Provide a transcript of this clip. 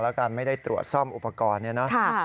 และการไม่ได้ตรวจซ่อมอุปกรณ์